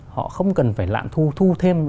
họ không cần phải lãm thu thu thêm